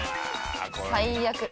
最悪。